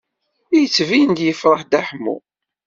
Yettbin-d yefṛeḥ Dda Ḥemmu.